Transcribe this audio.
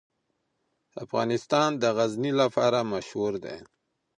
افغانستان د غزني لپاره مشهور دی.